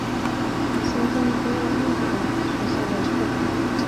新疆铁角蕨为铁角蕨科铁角蕨属下的一个种。